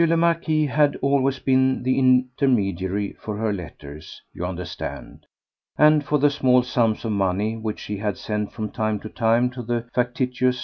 le Marquis had always been the intermediary for her letters, you understand, and for the small sums of money which she had sent from time to time to the factitious M.